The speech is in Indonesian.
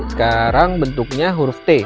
sekarang bentuknya huruf t